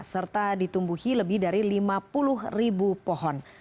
serta ditumbuhi lebih dari lima puluh ribu pohon